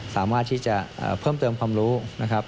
สามารถที่จะเพิ่มเติมความรู้นะครับ